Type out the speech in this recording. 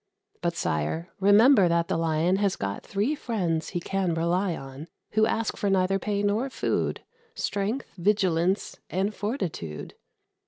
But, sire, remember that the Lion Has got three friends he can rely on, Who ask for neither pay nor food, Strength, Vigilance, and Fortitude.